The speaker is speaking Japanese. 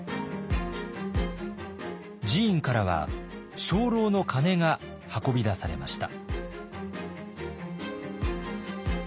寺院からは鐘楼の鐘が運び出されました。